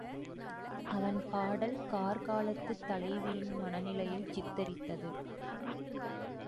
அவன் பாடல் கார் காலத்துத் தலைவியின் மன நிலையைச் சித்திரித்தது.